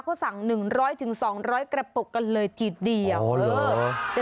เขาสั่งหนึ่งร้อยถึงสองร้อยกระปุกกันเลยทีเดียวเออ